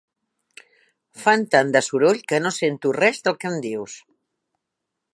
Fan tant de soroll que no sento res del que em dius.